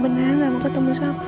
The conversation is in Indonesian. beneran gak mau ketemu siapa